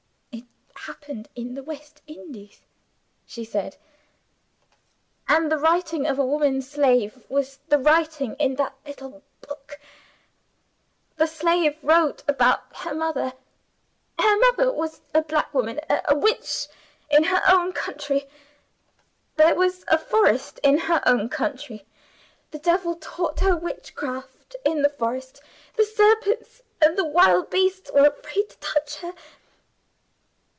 "It happened in the West Indies," she said; "and the writing of a woman slave was the writing in the little book. The slave wrote about her mother. Her mother was a black a Witch in her own country. There was a forest in her own country. The devil taught her Witchcraft in the forest. The serpents and the wild beasts were afraid to touch her.